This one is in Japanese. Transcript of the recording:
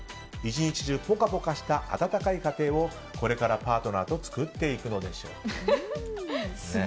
１日中ぽかぽかした温かい家庭をこれからパートナーと作っていくのでしょう。